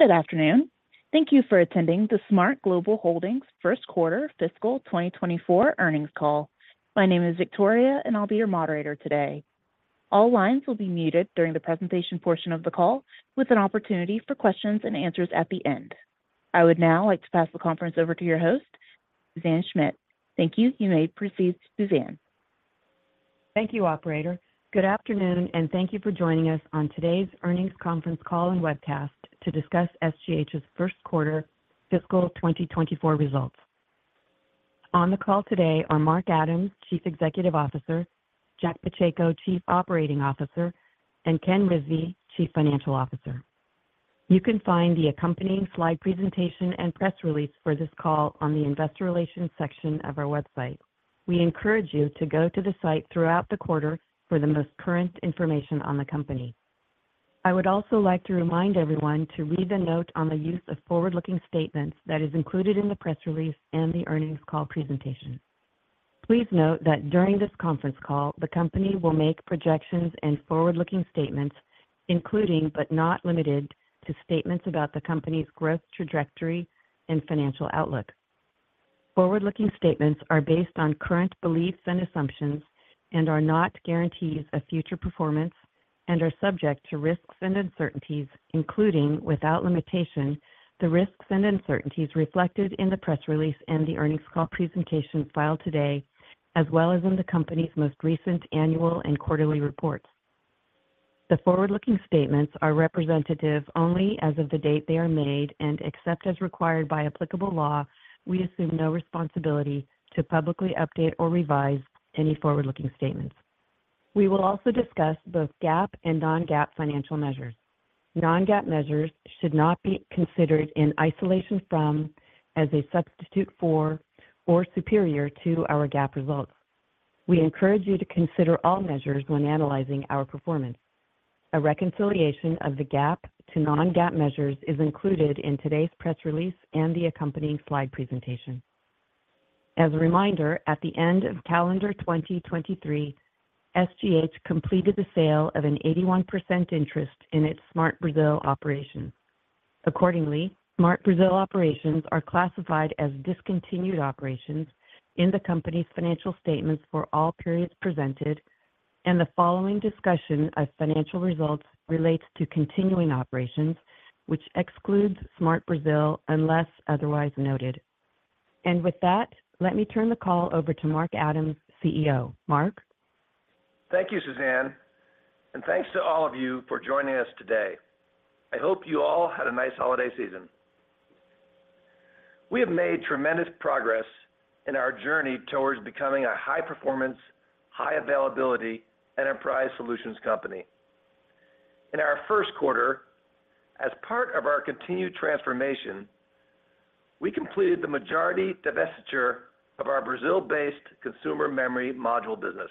Good afternoon. Thank you for attending the SMART Global Holdings First Quarter fiscal 2024 Earnings Call. My name is Victoria, and I'll be your moderator today. All lines will be muted during the presentation portion of the call, with an opportunity for questions and answers at the end. I would now like to pass the conference over to your host, Suzanne Schmidt. Thank you. You may proceed, Suzanne. Thank you, operator. Good afternoon, and thank you for joining us on today's earnings conference call and webcast to discuss SGH's first quarter fiscal 2024 results. On the call today are Mark Adams, Chief Executive Officer, Jack Pacheco, Chief Operating Officer, and Ken Rizvi, Chief Financial Officer. You can find the accompanying slide presentation and press release for this call on the investor relations section of our website. We encourage you to go to the site throughout the quarter for the most current information on the company. I would also like to remind everyone to read the note on the use of forward-looking statements that is included in the press release and the earnings call presentation. Please note that during this conference call, the company will make projections and forward-looking statements, including, but not limited to, statements about the company's growth trajectory and financial outlook. Forward-looking statements are based on current beliefs and assumptions and are not guarantees of future performance and are subject to risks and uncertainties, including, without limitation, the risks and uncertainties reflected in the press release and the earnings call presentation filed today, as well as in the company's most recent annual and quarterly reports. The forward-looking statements are representative only as of the date they are made, and except as required by applicable law, we assume no responsibility to publicly update or revise any forward-looking statements. We will also discuss both GAAP and non-GAAP financial measures. Non-GAAP measures should not be considered in isolation from, as a substitute for, or superior to our GAAP results. We encourage you to consider all measures when analyzing our performance. A reconciliation of the GAAP to non-GAAP measures is included in today's press release and the accompanying slide presentation. As a reminder, at the end of calendar 2023, SGH completed the sale of an 81% interest in its SMART Brazil operations. Accordingly, SMART Brazil operations are classified as discontinued operations in the company's financial statements for all periods presented, and the following discussion of financial results relates to continuing operations, which excludes SMART Brazil unless otherwise noted. And with that, let me turn the call over to Mark Adams, CEO. Mark? Thank you, Suzanne, and thanks to all of you for joining us today. I hope you all had a nice holiday season. We have made tremendous progress in our journey towards becoming a high-performance, high-availability enterprise solutions company. In our first quarter, as part of our continued transformation, we completed the majority divestiture of our Brazil-based consumer memory module business.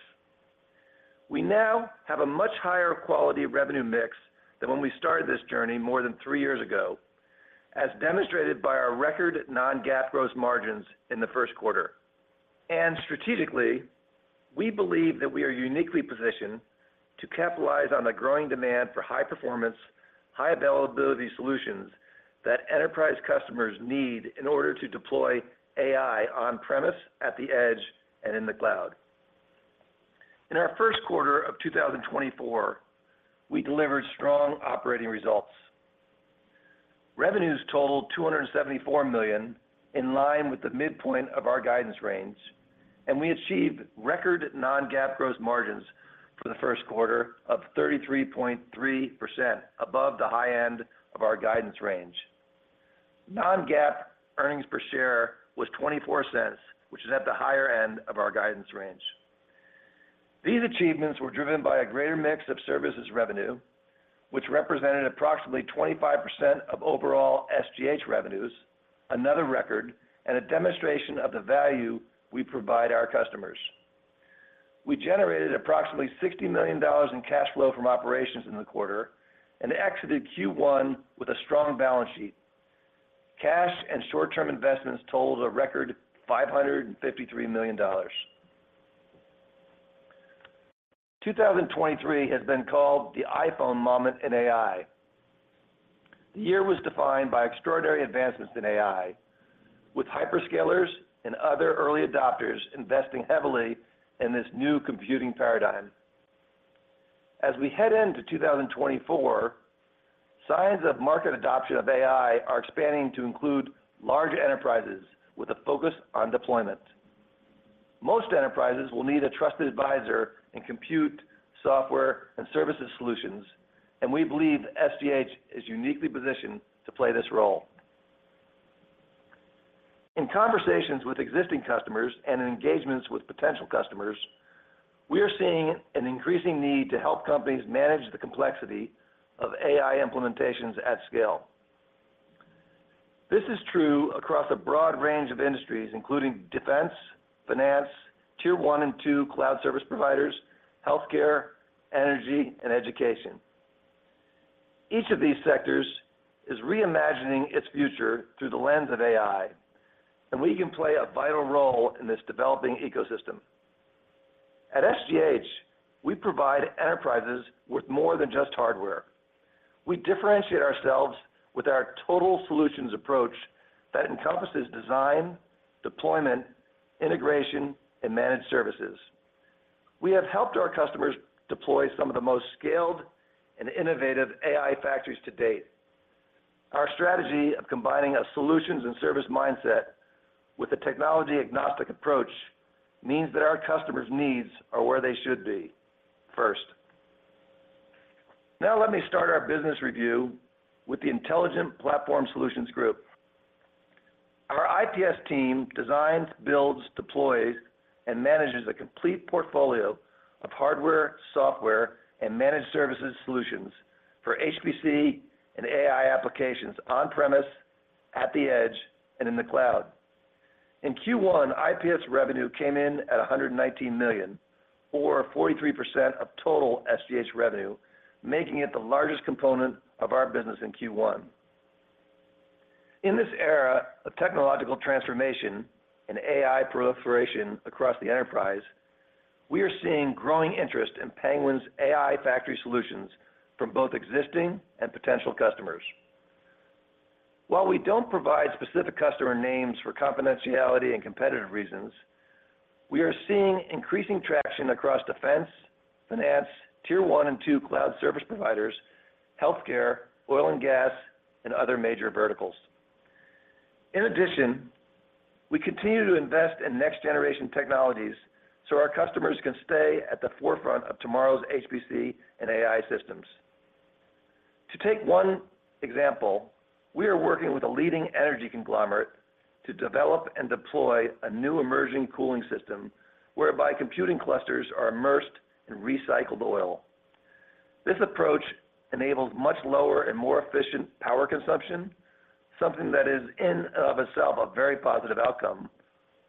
We now have a much higher quality of revenue mix than when we started this journey more than three years ago, as demonstrated by our record non-GAAP gross margins in the first quarter. Strategically, we believe that we are uniquely positioned to capitalize on the growing demand for high performance, high availability solutions that enterprise customers need in order to deploy AI on-premise, at the edge, and in the cloud. In our first quarter of 2024, we delivered strong operating results. Revenues totaled $274 million, in line with the midpoint of our guidance range, and we achieved record non-GAAP gross margins for the first quarter of 33.3%, above the high end of our guidance range. Non-GAAP earnings per share was $0.24, which is at the higher end of our guidance range. These achievements were driven by a greater mix of services revenue, which represented approximately 25% of overall SGH revenues, another record, and a demonstration of the value we provide our customers. We generated approximately $60 million in cash flow from operations in the quarter and exited Q1 with a strong balance sheet. Cash and short-term investments totaled a record $553 million. 2023 has been called the iPhone moment in AI. The year was defined by extraordinary advancements in AI, with hyperscalers and other early adopters investing heavily in this new computing paradigm. As we head into 2024, signs of market adoption of AI are expanding to include large enterprises with a focus on deployment. Most enterprises will need a trusted advisor in compute, software, and services solutions, and we believe SGH is uniquely positioned to play this role. In conversations with existing customers and in engagements with potential customers, we are seeing an increasing need to help companies manage the complexity of AI implementations at scale. This is true across a broad range of industries, including defense, finance, tier one and two cloud service providers, healthcare, energy, and education. Each of these sectors is reimagining its future through the lens of AI, and we can play a vital role in this developing ecosystem. At SGH, we provide enterprises with more than just hardware. We differentiate ourselves with our total solutions approach that encompasses design, deployment, integration, and managed services. We have helped our customers deploy some of the most scaled and innovative AI factories to date. Our strategy of combining a solutions and service mindset with a technology-agnostic approach, means that our customers' needs are where they should be, first. Now, let me start our business review with the Intelligent Platform Solutions Group. Our IPS team designs, builds, deploys, and manages a complete portfolio of hardware, software, and managed services solutions for HPC and AI applications on-premise, at the edge, and in the cloud. In Q1, IPS revenue came in at $119 million, or 43% of total SGH revenue, making it the largest component of our business in Q1. In this era of technological transformation and AI proliferation across the enterprise, we are seeing growing interest in Penguin's AI factory solutions from both existing and potential customers. While we don't provide specific customer names for confidentiality and competitive reasons, we are seeing increasing traction across defense, finance, tier one and two cloud service providers, healthcare, oil and gas, and other major verticals. In addition, we continue to invest in next-generation technologies so our customers can stay at the forefront of tomorrow's HPC and AI systems. To take one example, we are working with a leading energy conglomerate to develop and deploy a new emerging cooling system, whereby computing clusters are immersed in recycled oil. This approach enables much lower and more efficient power consumption, something that is in and of itself, a very positive outcome,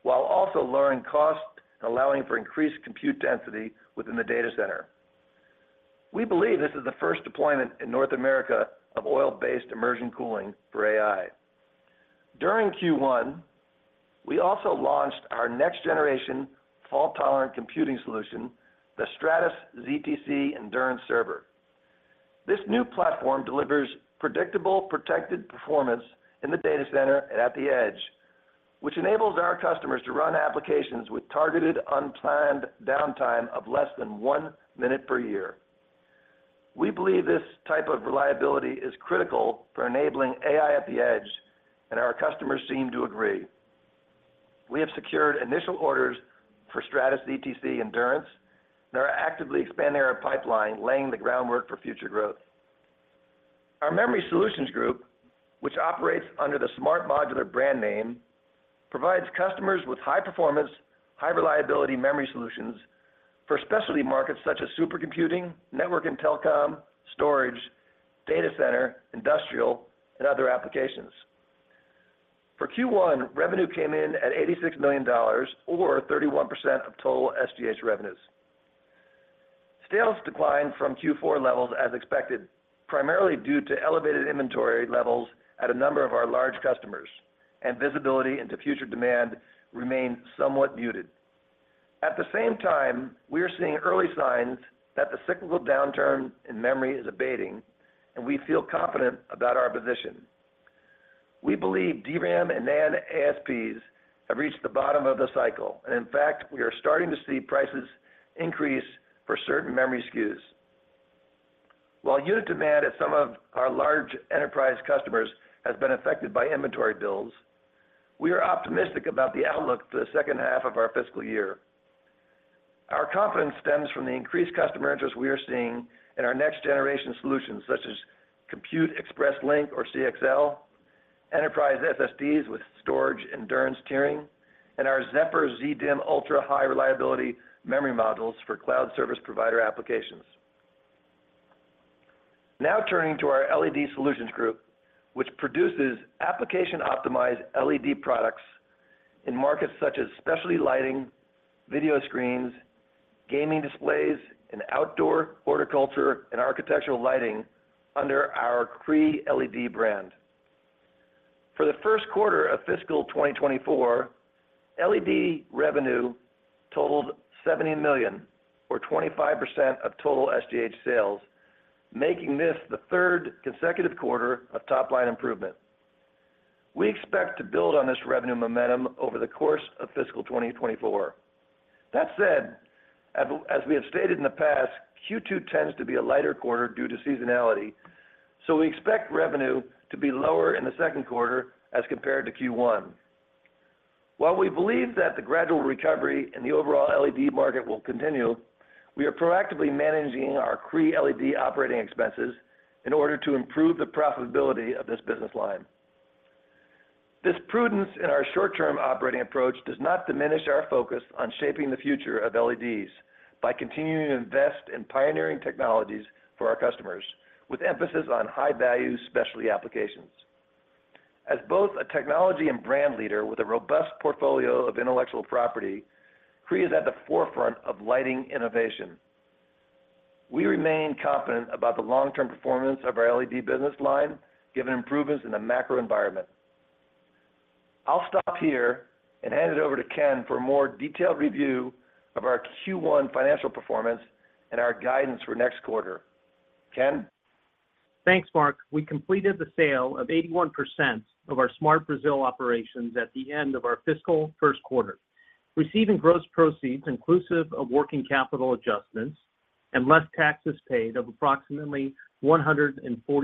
while also lowering costs and allowing for increased compute density within the data center. We believe this is the first deployment in North America of oil-based immersion cooling for AI. During Q1, we also launched our next-generation fault-tolerant computing solution, the Stratus ztC Endurance Server. This new platform delivers predictable, protected performance in the data center and at the edge, which enables our customers to run applications with targeted, unplanned downtime of less than one minute per year. We believe this type of reliability is critical for enabling AI at the edge, and our customers seem to agree. We have secured initial orders for Stratus ztC Endurance, and are actively expanding our pipeline, laying the groundwork for future growth. Our Memory Solutions Group, which operates under the SMART Modular brand name, provides customers with high performance, high reliability memory solutions for specialty markets such as supercomputing, network and telecom, storage, data center, industrial, and other applications. For Q1, revenue came in at $86 million, or 31% of total SGH revenues. Sales declined from Q4 levels as expected, primarily due to elevated inventory levels at a number of our large customers, and visibility into future demand remains somewhat muted. At the same time, we are seeing early signs that the cyclical downturn in memory is abating, and we feel confident about our position. We believe DRAM and NAND ASPs have reached the bottom of the cycle, and in fact, we are starting to see prices increase for certain memory SKUs. While unit demand at some of our large enterprise customers has been affected by inventory builds, we are optimistic about the outlook for the second half of our fiscal year. Our confidence stems from the increased customer interest we are seeing in our next-generation solutions, such as Compute Express Link or CXL, enterprise SSDs with storage endurance tiering, and our Zefr Z-DIMM ultra-high reliability memory modules for cloud service provider applications. Now turning to our LED Solutions Group, which produces application-optimized LED products in markets such as specialty lighting, video screens, gaming displays, and outdoor horticulture and architectural lighting under our Cree LED brand. For the first quarter of fiscal 2024, LED revenue totaled $70 million, or 25% of total SGH sales, making this the third consecutive quarter of top-line improvement. We expect to build on this revenue momentum over the course of fiscal 2024. That said, as we have stated in the past, Q2 tends to be a lighter quarter due to seasonality, so we expect revenue to be lower in the second quarter as compared to Q1. While we believe that the gradual recovery in the overall LED market will continue, we are proactively managing our Cree LED operating expenses in order to improve the profitability of this business line. This prudence in our short-term operating approach does not diminish our focus on shaping the future of LEDs by continuing to invest in pioneering technologies for our customers, with emphasis on high-value specialty applications. As both a technology and brand leader with a robust portfolio of intellectual property, Cree is at the forefront of lighting innovation. We remain confident about the long-term performance of our LED business line, given improvements in the macro environment.... I'll stop here and hand it over to Ken for a more detailed review of our Q1 financial performance and our guidance for next quarter. Ken? Thanks, Mark. We completed the sale of 81% of our SMART Brazil operations at the end of our fiscal first quarter, receiving gross proceeds inclusive of working capital adjustments and less taxes paid of approximately $140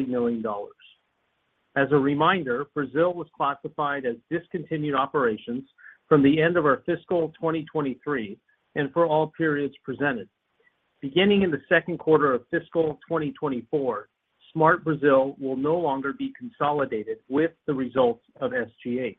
million. As a reminder, Brazil was classified as discontinued operations from the end of our fiscal 2023 and for all periods presented. Beginning in the second quarter of fiscal 2024, SMART Brazil will no longer be consolidated with the results of SGH.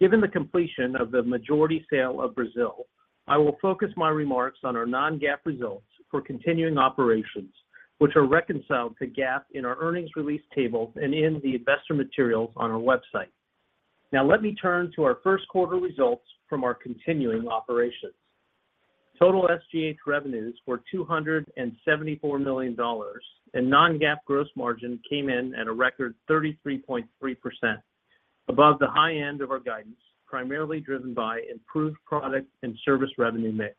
Given the completion of the majority sale of Brazil, I will focus my remarks on our non-GAAP results for continuing operations, which are reconciled to GAAP in our earnings release table and in the investor materials on our website. Now let me turn to our first quarter results from our continuing operations. Total SGH revenues were $274 million, and Non-GAAP gross margin came in at a record 33.3%, above the high end of our guidance, primarily driven by improved product and service revenue mix.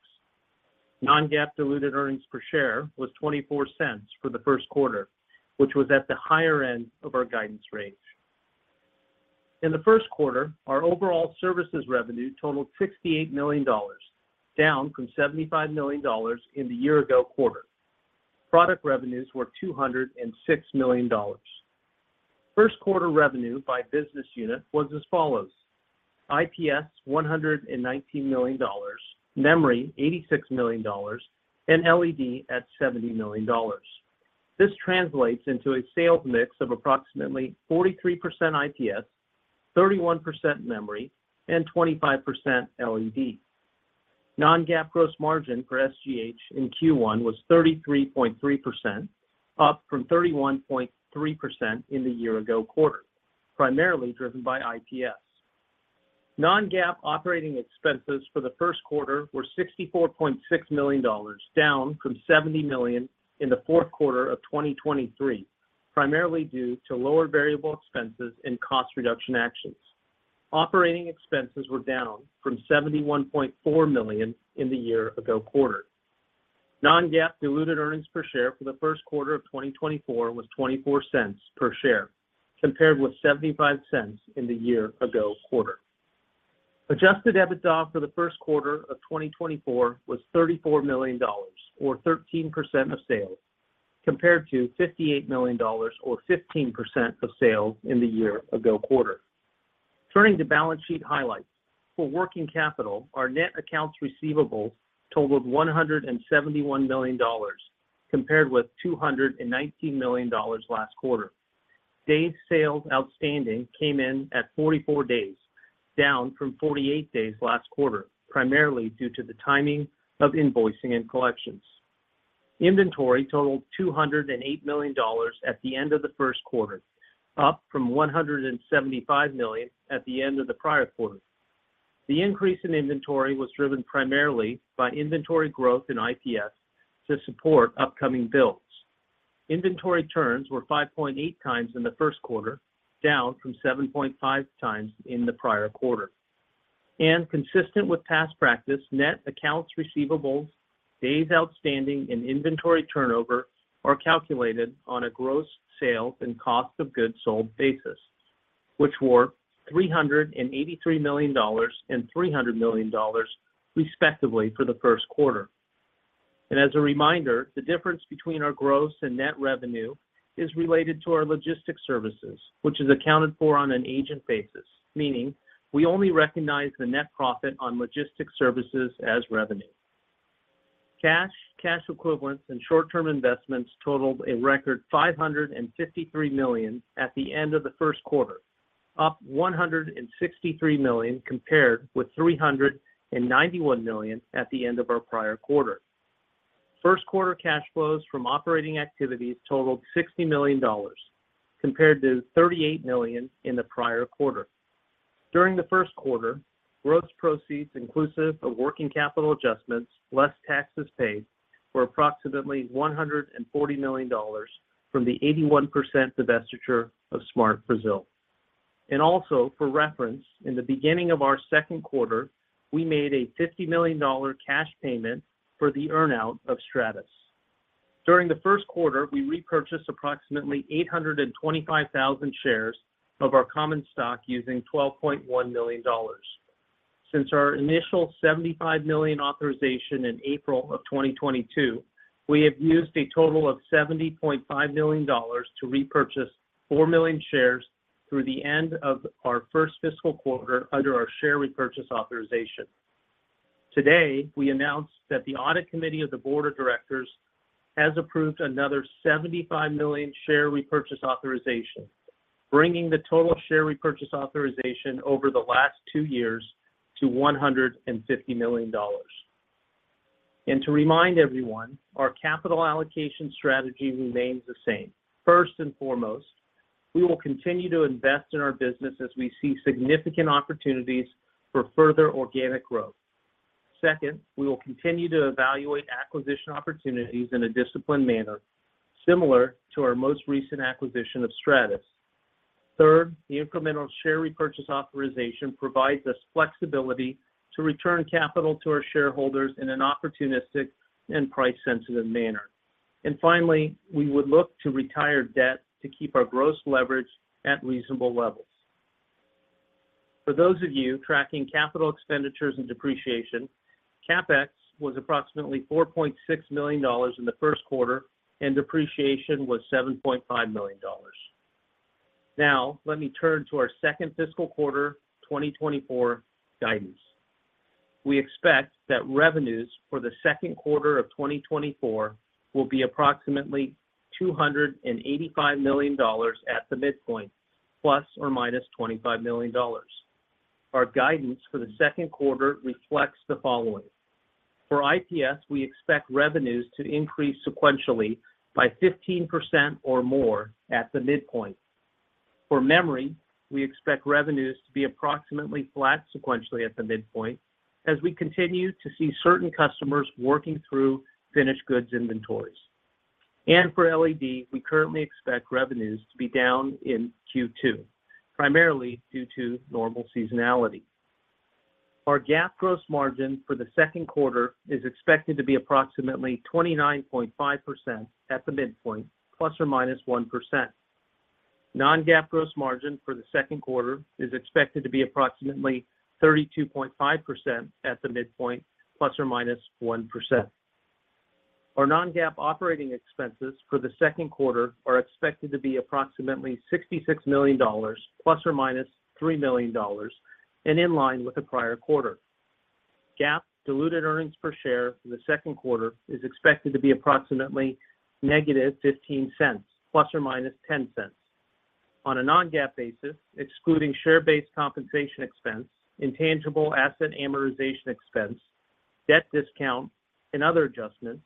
Non-GAAP diluted earnings per share was $0.24 for the first quarter, which was at the higher end of our guidance range. In the first quarter, our overall services revenue totaled $68 million, down from $75 million in the year ago quarter. Product revenues were $206 million. First quarter revenue by business unit was as follows: IPS, $119 million, memory, $86 million, and LED at $70 million. This translates into a sales mix of approximately 43% IPS, 31% memory, and 25% LED. Non-GAAP gross margin for SGH in Q1 was 33.3%, up from 31.3% in the year ago quarter, primarily driven by IPS. Non-GAAP operating expenses for the first quarter were $64.6 million, down from $70 million in the fourth quarter of 2023, primarily due to lower variable expenses and cost reduction actions. Operating expenses were down from $71.4 million in the year ago quarter. Non-GAAP diluted earnings per share for the first quarter of 2024 was $0.24 per share, compared with $0.75 in the year ago quarter. Adjusted EBITDA for the first quarter of 2024 was $34 million, or 13% of sales, compared to $58 million or 15% of sales in the year ago quarter. Turning to balance sheet highlights. For working capital, our net accounts receivable totaled $171 million, compared with $219 million last quarter. Days Sales Outstanding came in at 44 days, down from 48 days last quarter, primarily due to the timing of invoicing and collections. Inventory totaled $208 million at the end of the first quarter, up from $175 million at the end of the prior quarter. The increase in inventory was driven primarily by inventory growth in IPS to support upcoming builds. Inventory turns were 5.8 times in the first quarter, down from 7.5 times in the prior quarter. Consistent with past practice, net accounts receivables, days outstanding, and inventory turnover are calculated on a gross sales and cost of goods sold basis, which were $383 million and $300 million, respectively, for the first quarter. As a reminder, the difference between our gross and net revenue is related to our logistics services, which is accounted for on an agent basis, meaning we only recognize the net profit on logistics services as revenue. Cash, cash equivalents, and short-term investments totaled a record $553 million at the end of the first quarter, up $163 million, compared with $391 million at the end of our prior quarter. First quarter cash flows from operating activities totaled $60 million, compared to $38 million in the prior quarter. During the first quarter, gross proceeds, inclusive of working capital adjustments, less taxes paid, were approximately $140 million from the 81% divestiture of SMART Brazil. And also, for reference, in the beginning of our second quarter, we made a $50 million cash payment for the earn-out of Stratus. During the first quarter, we repurchased approximately 825,000 shares of our common stock using $12.1 million. Since our initial $75 million authorization in April 2022, we have used a total of $70.5 million to repurchase 4 million shares through the end of our first fiscal quarter under our share repurchase authorization. Today, we announced that the Audit Committee of the Board of Directors has approved another $75 million share repurchase authorization, bringing the total share repurchase authorization over the last two years to $150 million. To remind everyone, our capital allocation strategy remains the same. First and foremost, we will continue to invest in our business as we see significant opportunities for further organic growth.... Second, we will continue to evaluate acquisition opportunities in a disciplined manner, similar to our most recent acquisition of Stratus. Third, the incremental share repurchase authorization provides us flexibility to return capital to our shareholders in an opportunistic and price-sensitive manner. Finally, we would look to retire debt to keep our gross leverage at reasonable levels. For those of you tracking capital expenditures and depreciation, CapEx was approximately $4.6 million in the first quarter, and depreciation was $7.5 million. Now, let me turn to our second fiscal quarter 2024 guidance. We expect that revenues for the second quarter of 2024 will be approximately $285 million at the midpoint, ±$25 million. Our guidance for the second quarter reflects the following: For IPS, we expect revenues to increase sequentially by 15% or more at the midpoint. For memory, we expect revenues to be approximately flat sequentially at the midpoint as we continue to see certain customers working through finished goods inventories. And for LED, we currently expect revenues to be down in Q2, primarily due to normal seasonality. Our GAAP gross margin for the second quarter is expected to be approximately 29.5% at the midpoint, ±1%. Non-GAAP gross margin for the second quarter is expected to be approximately 32.5% at the midpoint, ±1%. Our non-GAAP operating expenses for the second quarter are expected to be approximately $66 million, ±$3 million, and in line with the prior quarter. GAAP diluted earnings per share for the second quarter is expected to be approximately -$0.15, ±$0.10. On a non-GAAP basis, excluding share-based compensation expense, intangible asset amortization expense, debt discount, and other adjustments,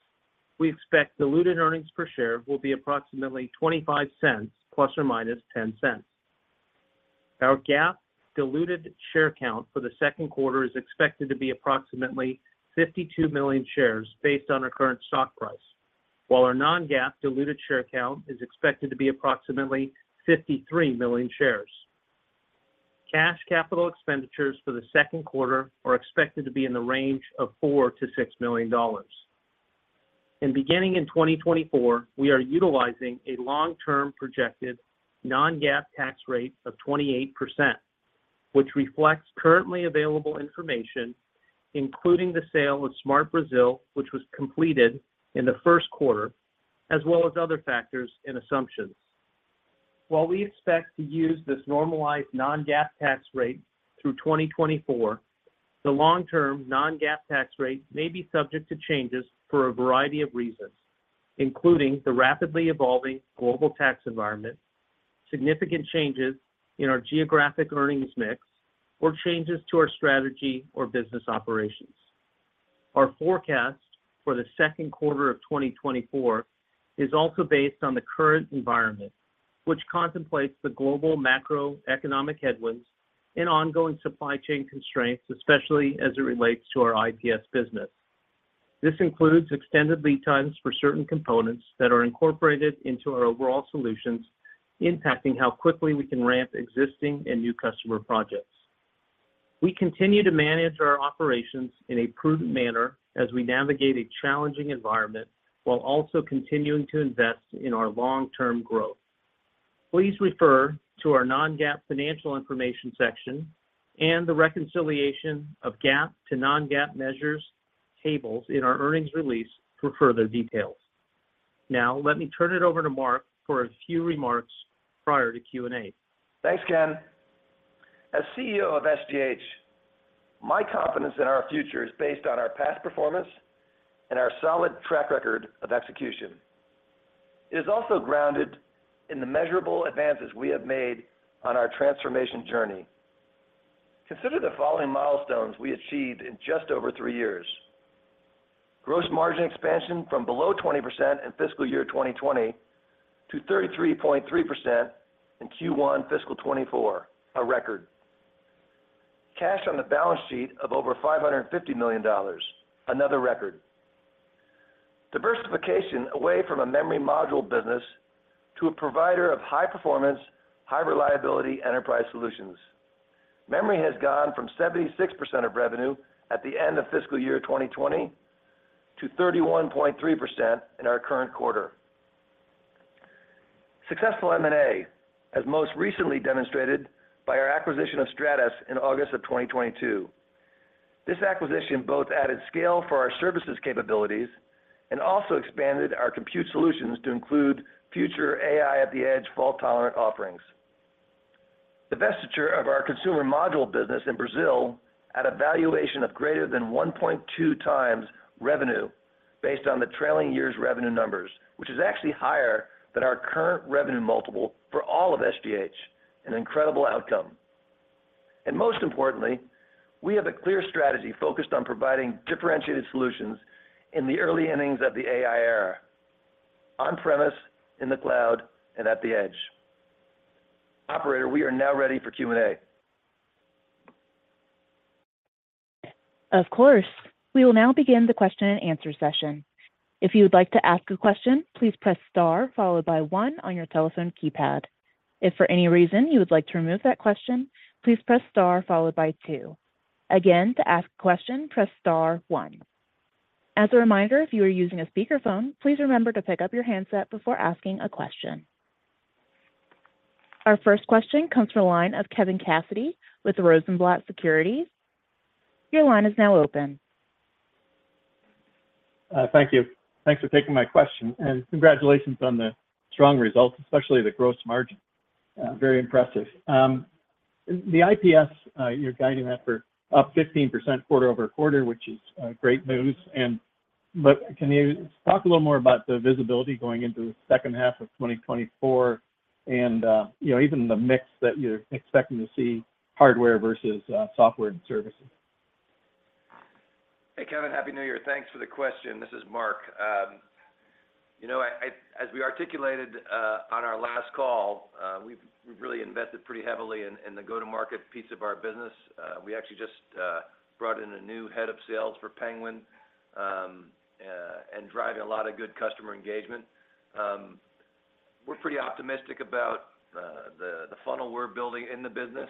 we expect diluted earnings per share will be approximately $0.25, ±$0.10. Our GAAP diluted share count for the second quarter is expected to be approximately 52 million shares based on our current stock price, while our non-GAAP diluted share count is expected to be approximately 53 million shares. Cash capital expenditures for the second quarter are expected to be in the range of $4 million-$6 million. Beginning in 2024, we are utilizing a long-term projected non-GAAP tax rate of 28%, which reflects currently available information, including the sale of SMART Brazil, which was completed in the first quarter, as well as other factors and assumptions. While we expect to use this normalized non-GAAP tax rate through 2024, the long-term non-GAAP tax rate may be subject to changes for a variety of reasons, including the rapidly evolving global tax environment, significant changes in our geographic earnings mix, or changes to our strategy or business operations. Our forecast for the second quarter of 2024 is also based on the current environment, which contemplates the global macroeconomic headwinds and ongoing supply chain constraints, especially as it relates to our IPS business. This includes extended lead times for certain components that are incorporated into our overall solutions, impacting how quickly we can ramp existing and new customer projects. We continue to manage our operations in a prudent manner as we navigate a challenging environment, while also continuing to invest in our long-term growth. Please refer to our non-GAAP financial information section and the reconciliation of GAAP to non-GAAP measures tables in our earnings release for further details. Now, let me turn it over to Mark for a few remarks prior to Q&A. Thanks, Ken. As CEO of SGH, my confidence in our future is based on our past performance and our solid track record of execution. It is also grounded in the measurable advances we have made on our transformation journey. Consider the following milestones we achieved in just over three years. Gross margin expansion from below 20% in fiscal year 2020 to 33.3% in Q1 fiscal 2024, a record. Cash on the balance sheet of over $550 million, another record. Diversification away from a memory module business to a provider of high-performance, high-reliability enterprise solutions. Memory has gone from 76% of revenue at the end of fiscal year 2020 to 31.3% in our current quarter. Successful M&A, as most recently demonstrated by our acquisition of Stratus in August 2022. This acquisition both added scale for our services capabilities and also expanded our compute solutions to include future AI at the edge fault-tolerant offerings. Divestiture of our consumer module business in Brazil at a valuation of greater than 1.2x revenue based on the trailing year's revenue numbers, which is actually higher than our current revenue multiple for all of SGH, an incredible outcome. Most importantly, we have a clear strategy focused on providing differentiated solutions in the early innings of the AI era, on-premise, in the cloud, and at the edge.... Operator, we are now ready for Q&A. Of course. We will now begin the question and answer session. If you would like to ask a question, please press star followed by one on your telephone keypad. If for any reason you would like to remove that question, please press star followed by two. Again, to ask a question, press star one. As a reminder, if you are using a speakerphone, please remember to pick up your handset before asking a question. Our first question comes from the line of Kevin Cassidy with Rosenblatt Securities. Your line is now open. Thank you. Thanks for taking my question, and congratulations on the strong results, especially the gross margin. Very impressive. The IPS, you're guiding that for up 15% quarter-over-quarter, which is great news. And but can you talk a little more about the visibility going into the second half of 2024, and you know, even the mix that you're expecting to see, hardware versus software and services? Hey, Kevin, Happy New Year. Thanks for the question. This is Mark. You know, as we articulated on our last call, we've really invested pretty heavily in the go-to-market piece of our business. We actually just brought in a new head of sales for Penguin and driving a lot of good customer engagement. We're pretty optimistic about the funnel we're building in the business.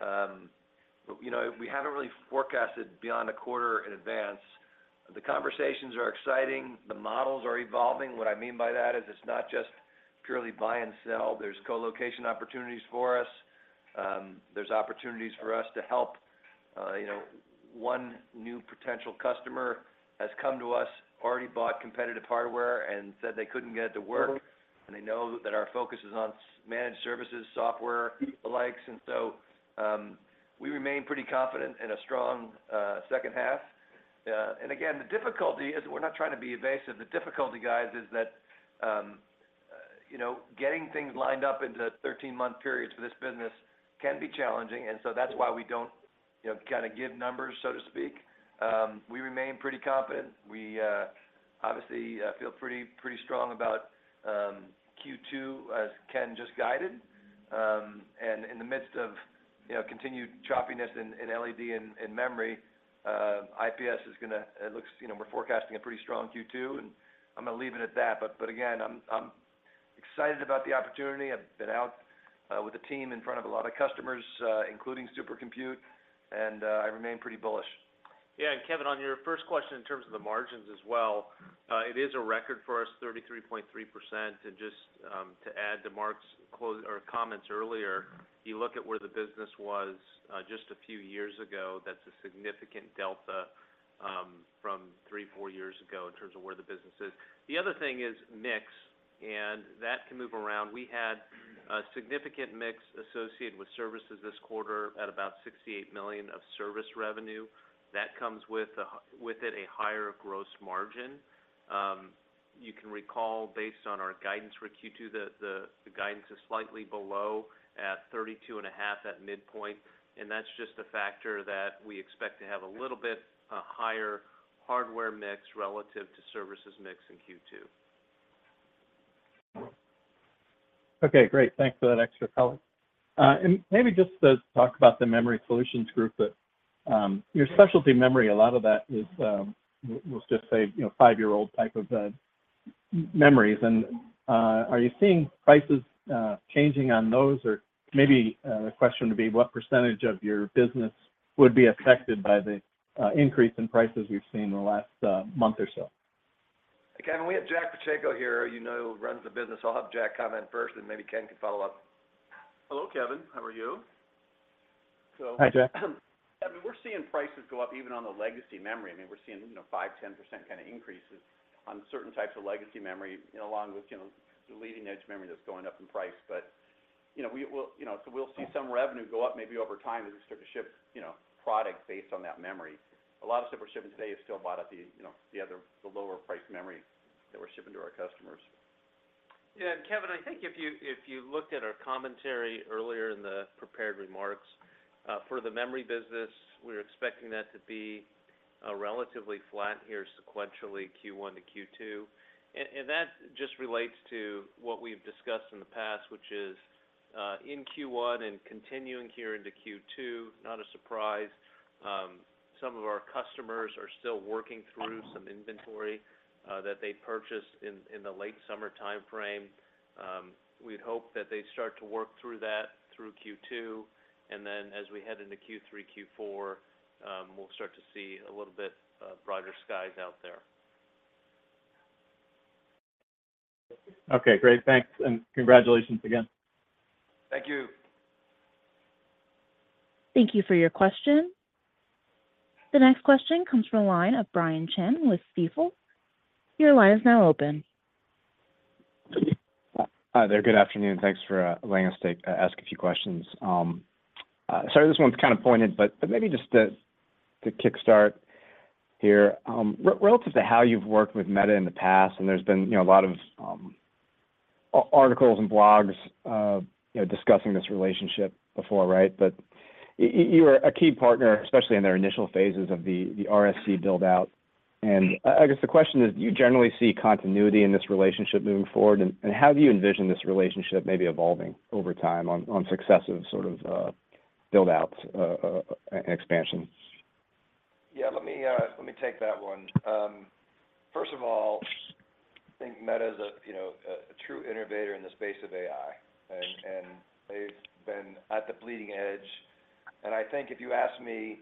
But, you know, we haven't really forecasted beyond a quarter in advance. The conversations are exciting, the models are evolving. What I mean by that is it's not just purely buy and sell. There's co-location opportunities for us. There's opportunities for us to help. You know, one new potential customer has come to us, already bought competitive hardware and said they couldn't get it to work, and they know that our focus is on managed services, software, likes. So, we remain pretty confident in a strong second half. And again, the difficulty is we're not trying to be evasive. The difficulty, guys, is that, you know, getting things lined up into 13-month periods for this business can be challenging, and so that's why we don't, you know, kind of give numbers, so to speak. We remain pretty confident. We obviously feel pretty, pretty strong about Q2, as Ken just guided. And in the midst of, you know, continued choppiness in LED and in memory, IPS is gonna, it looks, you know, we're forecasting a pretty strong Q2, and I'm going to leave it at that. But again, I'm excited about the opportunity. I've been out with the team in front of a lot of customers, including Supercomputing, and I remain pretty bullish. Yeah, and Kevin, on your first question, in terms of the margins as well, it is a record for us, 33.3%. And just to add to Mark's close or comments earlier, you look at where the business was just a few years ago, that's a significant delta from 3-4 years ago in terms of where the business is. The other thing is mix, and that can move around. We had a significant mix associated with services this quarter at about $68 million of service revenue. That comes with it a higher gross margin. You can recall, based on our guidance for Q2, the guidance is slightly below at 32.5 at midpoint, and that's just a factor that we expect to have a little bit a higher hardware mix relative to services mix in Q2. Okay, great. Thanks for that extra color. And maybe just to talk about the Memory Solutions Group, but your specialty memory, a lot of that is, we'll just say, you know, five-year-old type of memories. And are you seeing prices changing on those? Or maybe the question would be: What percentage of your business would be affected by the increase in prices we've seen in the last month or so? Hey, Kevin, we have Jack Pacheco here, you know, runs the business. I'll have Jack comment first, and maybe Ken can follow up. Hello, Kevin. How are you? Hi, Jack. I mean, we're seeing prices go up even on the legacy memory. I mean, we're seeing, you know, 5%-10% kind of increases on certain types of legacy memory, you know, along with, you know, the leading-edge memory that's going up in price. But, you know, we will... You know, so we'll see some revenue go up maybe over time as we start to ship, you know, products based on that memory. A lot of stuff we're shipping today is still bought at the, you know, the other, the lower-priced memory that we're shipping to our customers. Yeah, Kevin, I think if you looked at our commentary earlier in the prepared remarks, for the memory business, we're expecting that to be relatively flat here sequentially, Q1 to Q2. And that just relates to what we've discussed in the past, which is in Q1 and continuing here into Q2, not a surprise, some of our customers are still working through some inventory that they purchased in the late summer timeframe. We'd hope that they start to work through that through Q2, and then as we head into Q3, Q4, we'll start to see a little bit brighter skies out there. Okay, great. Thanks, and congratulations again. Thank you. Thank you for your question. The next question comes from the line of Brian Chin with Stifel. Your line is now open. Hi there. Good afternoon, thanks for letting us take ask a few questions. Sorry, this one's kind of pointed, but maybe just to kickstart here. Relative to how you've worked with Meta in the past, and there's been, you know, a lot of articles and blogs, you know, discussing this relationship before, right? But you are a key partner, especially in their initial phases of the RSC build-out. And I guess the question is, do you generally see continuity in this relationship moving forward? And how do you envision this relationship maybe evolving over time on successive sort of build-outs and expansion? Yeah, let me, let me take that one. First of all, I think Meta's a, you know, a true innovator in the space of AI. And, and they've been at the bleeding edge. And I think if you ask me,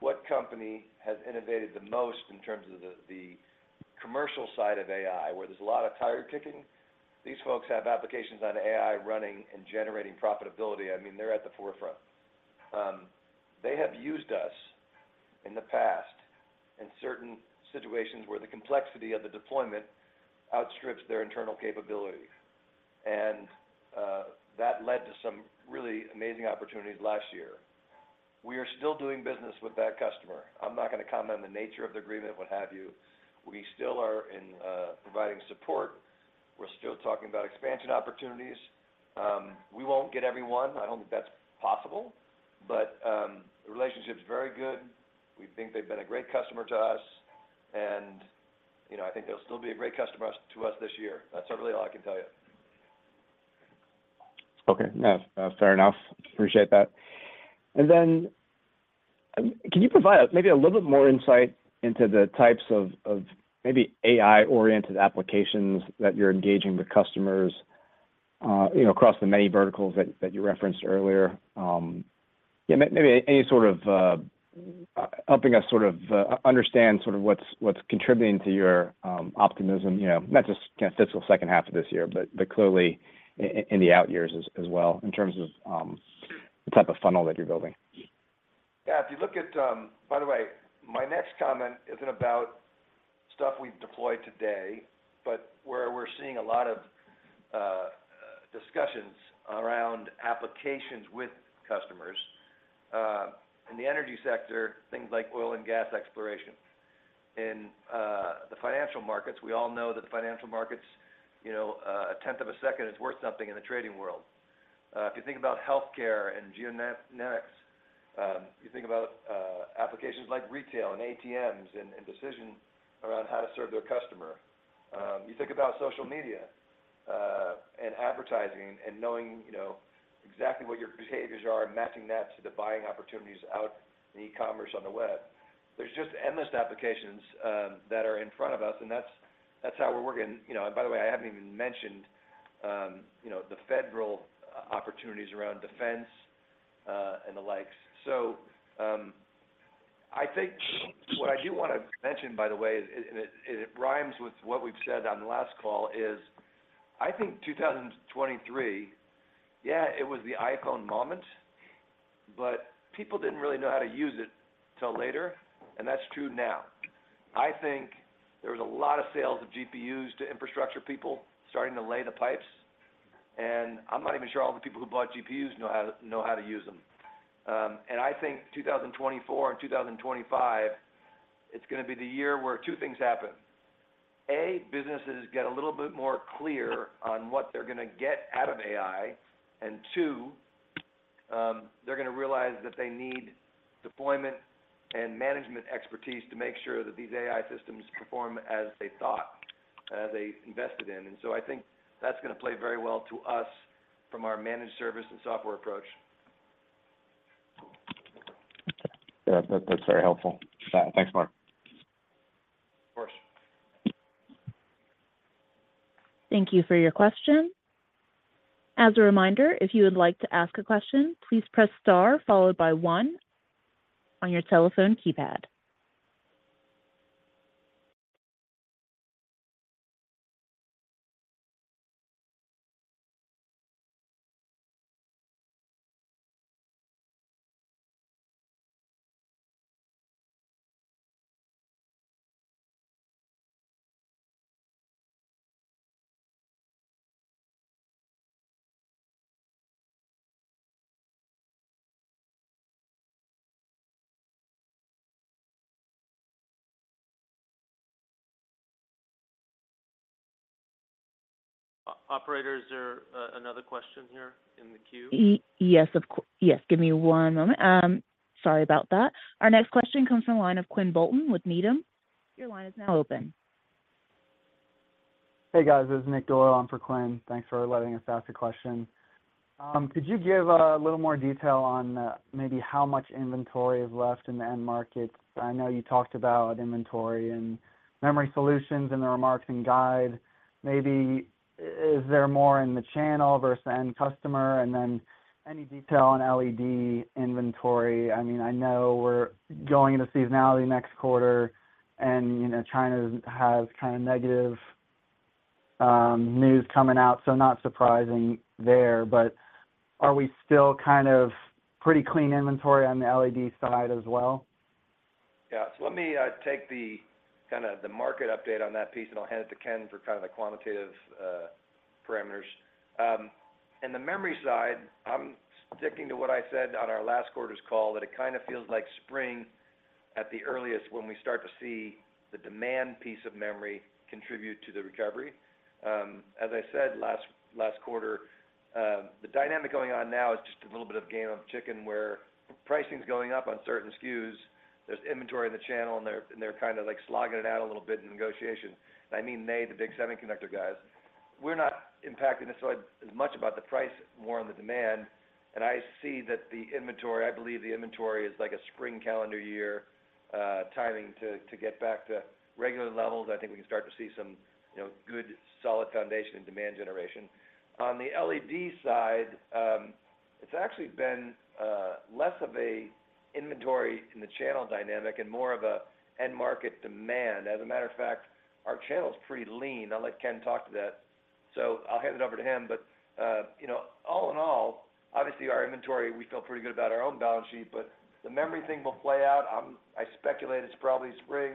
what company has innovated the most in terms of the, the commercial side of AI, where there's a lot of tire kicking, these folks have applications on AI running and generating profitability. I mean, they're at the forefront. They have used us in the past in certain situations where the complexity of the deployment outstrips their internal capability, and, that led to some really amazing opportunities last year. We are still doing business with that customer. I'm not gonna comment on the nature of the agreement, what have you. We still are in, providing support. We're still talking about expansion opportunities. We won't get everyone. I don't think that's possible, but the relationship's very good. We think they've been a great customer to us, and, you know, I think they'll still be a great customer to us this year. That's certainly all I can tell you. Okay. Yeah, fair enough. Appreciate that. And then, can you provide maybe a little bit more insight into the types of, of maybe AI-oriented applications that you're engaging with customers, you know, across the many verticals that, that you referenced earlier? Yeah, maybe any sort of, helping us sort of, understand sort of what's, what's contributing to your, optimism, you know, not just kind of fiscal second half of this year, but, but clearly in the out years as, as well, in terms of, the type of funnel that you're building. Yeah. If you look at, by the way, my next comment isn't about stuff we've deployed today, but where we're seeing a lot of discussions around applications with customers. In the energy sector, things like oil and gas exploration. In the financial markets, we all know that the financial markets, you know, a tenth of a second is worth something in the trading world. If you think about healthcare and genomics, you think about applications like retail and ATMs and decision around how to serve their customer. You think about social media and advertising, and knowing, you know, exactly what your behaviors are and matching that to the buying opportunities out in e-commerce on the web. There's just endless applications that are in front of us, and that's how we're working. You know, and by the way, I haven't even mentioned, you know, the federal opportunities around defense, and the likes. So, I think what I do wanna mention, by the way, is, and it rhymes with what we've said on the last call, is I think 2023, yeah, it was the iPhone moment, but people didn't really know how to use it till later, and that's true now. I think there was a lot of sales of GPUs to infrastructure people starting to lay the pipes, and I'm not even sure all the people who bought GPUs know how to use them. I think 2024 and 2025, it's gonna be the year where two things happen: A, businesses get a little bit more clear on what they're gonna get out of AI, and two, they're gonna realize that they need deployment and management expertise to make sure that these AI systems perform as they thought, as they invested in. And so I think that's gonna play very well to us from our managed service and software approach. Yeah, that, that's very helpful. Thanks, Mark. Of course. Thank you for your question. As a reminder, if you would like to ask a question, please press star followed by one on your telephone keypad. Operator, is there another question here in the queue? Yes, give me one moment. Sorry about that. Our next question comes from the line of Quinn Bolton with Needham. Your line is now open. Hey, guys, this is Nick Doyle in for Quinn. Thanks for letting us ask a question. Could you give a little more detail on maybe how much inventory is left in the end markets? I know you talked about inventory and memory solutions in the remarks and guide. Maybe is there more in the channel versus the end customer? And then any detail on LED inventory? I mean, I know we're going into seasonality next quarter, and, you know, China has kind of negative news coming out, so not surprising there. But are we still kind of pretty clean inventory on the LED side as well? Yeah. So let me take the kinda the market update on that piece, and I'll hand it to Ken for kind of the quantitative parameters. In the memory side, I'm sticking to what I said on our last quarter's call, that it kind of feels like spring at the earliest, when we start to see the demand piece of memory contribute to the recovery. As I said last quarter, the dynamic going on now is just a little bit of game of chicken, where pricing's going up on certain SKUs. There's inventory in the channel, and they're kind of, like, slogging it out a little bit in negotiation. And I mean they, the big semiconductor guys. We're not impacted necessarily as much about the price, more on the demand. I see that the inventory, I believe the inventory is like a spring calendar year, timing to get back to regular levels. I think we can start to see some, you know, good, solid foundation and demand generation. On the LED side, it's actually been less of a inventory in the channel dynamic and more of a end market demand. As a matter of fact, our channel's pretty lean. I'll let Ken talk to that, so I'll hand it over to him. You know, all in all, obviously, our inventory, we feel pretty good about our own balance sheet, but the memory thing will play out. I speculate it's probably spring,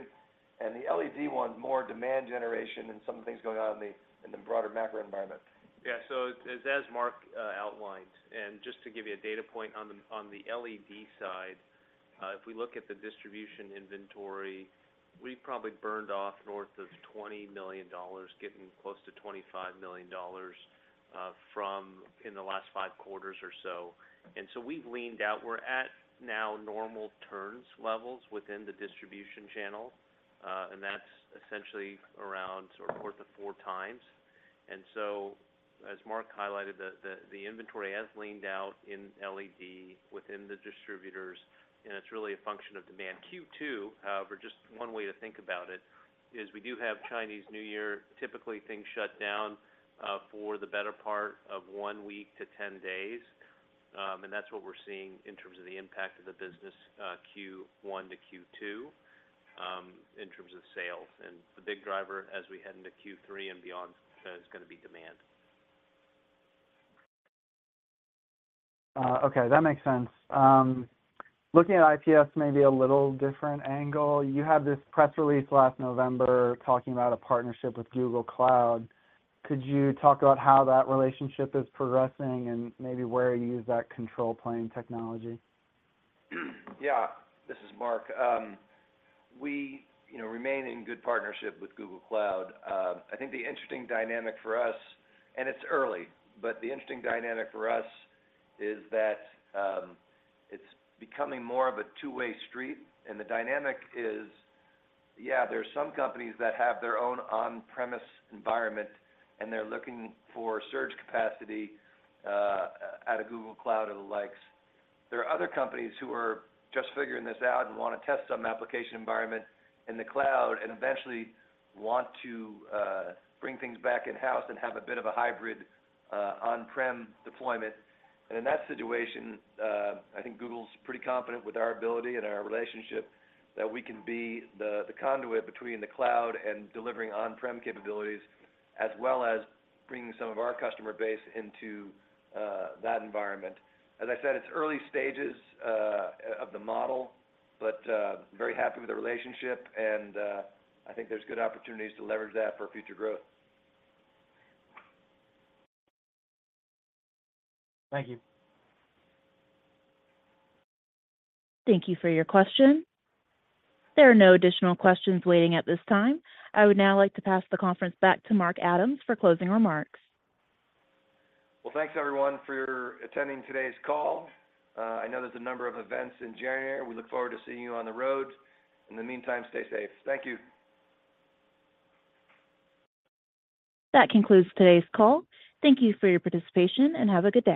and the LED one, more demand generation and some things going on in the broader macro environment. Yeah. So as Mark outlined, and just to give you a data point on the LED side, if we look at the distribution inventory, we've probably burned off north of $20 million, getting close to $25 million, from in the last five quarters or so. And so we've leaned out. We're at now normal turns levels within the distribution channel, and that's essentially around sort of close to four times. And so, as Mark highlighted, the inventory has leaned out in LED within the distributors, and it's really a function of demand. Q2, however, just one way to think about it, is we do have Chinese New Year. Typically, things shut down, for the better part of one week to 10 days. That's what we're seeing in terms of the impact of the business, Q1 to Q2, in terms of sales. The big driver as we head into Q3 and beyond is gonna be demand. Okay, that makes sense. Looking at IPS, maybe a little different angle. You had this press release last November talking about a partnership with Google Cloud. Could you talk about how that relationship is progressing and maybe where you use that control plane technology? Yeah, this is Mark. We, you know, remain in good partnership with Google Cloud. I think the interesting dynamic for us, and it's early, but the interesting dynamic for us is that it's becoming more of a two-way street. And the dynamic is, yeah, there are some companies that have their own on-premise environment, and they're looking for surge capacity out of Google Cloud or the likes. There are other companies who are just figuring this out and wanna test some application environment in the cloud, and eventually want to bring things back in-house and have a bit of a hybrid on-prem deployment. In that situation, I think Google's pretty confident with our ability and our relationship, that we can be the, the conduit between the cloud and delivering on-prem capabilities, as well as bringing some of our customer base into that environment. As I said, it's early stages of the model, but very happy with the relationship, and I think there's good opportunities to leverage that for future growth. Thank you. Thank you for your question. There are no additional questions waiting at this time. I would now like to pass the conference back to Mark Adams for closing remarks. Well, thanks everyone for attending today's call. I know there's a number of events in January. We look forward to seeing you on the road. In the meantime, stay safe. Thank you. That concludes today's call. Thank you for your participation, and have a good day.